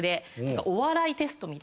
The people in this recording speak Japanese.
お笑いテストみたいな。